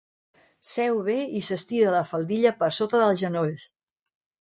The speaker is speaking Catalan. Seu bé i s'estira la faldilla per sota dels genolls.